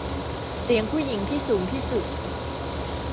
เสียงผู้หญิงที่สูงที่สุด